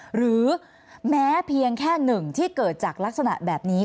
หรือแม้เพียงแค่หนึ่งที่เกิดจากลักษณะแบบนี้